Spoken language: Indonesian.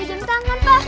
ada jam tangan pak